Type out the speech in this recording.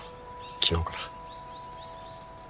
昨日から。